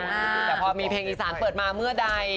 แต่พอมีเพลงอีสานเปิดมาเมื่อใด